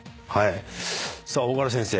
さあ大河原先生